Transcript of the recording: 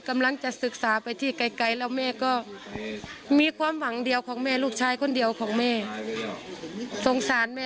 มันเบรกไม่ทันแล้วอะค่ะ